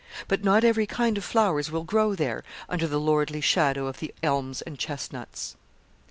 But not every kind of flowers will grow there, under the lordly shadow of the elms and chestnuts.